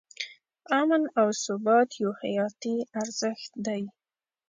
امن او ثبات یو حیاتي ارزښت دی.